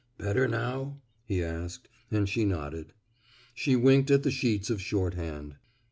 Better nowf " he asked, and she nodded. She winked at the sheets of shorthand.